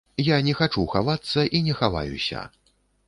Я не хачу хавацца і не хаваюся.